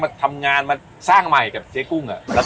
ทำงานมาสร้างใหม่กับเจ๊กุ้ง